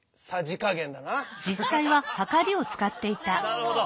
なるほど！